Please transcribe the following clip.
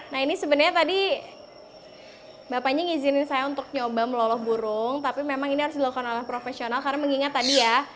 nah ini sebenarnya tadi bapaknya ngizinin saya untuk nyoba meloloh burung tapi memang ini harus dilakukan oleh profesional karena mengingat tadi ya